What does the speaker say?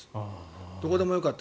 どこでもよかった。